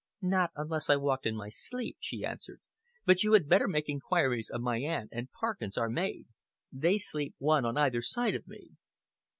"Not unless I walked in my sleep," she answered, "but you had better make enquiries of my aunt, and Parkins, our maid. They sleep one on either side of me."